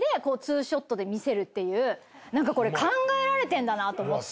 だから．これ考えられてんだなと思って。